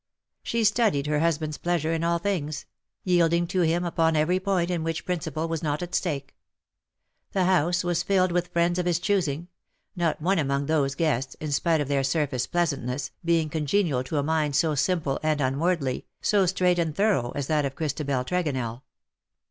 She studied her husband^s pleasure in all things — yielding to him upon every point in which prin ciple was not at stake. The house was filled with friends of his choosing — not one among those guests, in spite of their surface pleasantness, being congenial to a mind so simple and unworldly, so straight and thorough, as that of Christabel Trego nell.